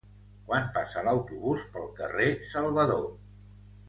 Quan passa l'autobús pel carrer Salvador?